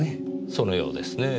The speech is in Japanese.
そのようですねぇ。